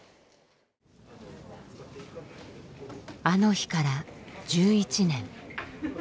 あの日から１１年。